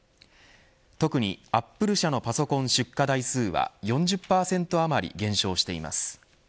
特にアップル社のパソコン出荷台数は４０％余り減少しています。